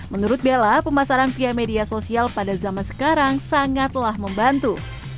menurut bella pemasaran via media sosial pada zaman sekarang sangatlah membantu